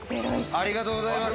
ありがとうございます。